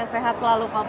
sehat selalu bapak